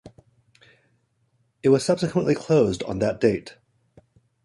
It was subsequently closed on that date.